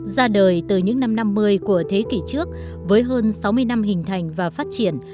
ra đời từ những năm năm mươi của thế kỷ trước với hơn sáu mươi năm hình thành và phát triển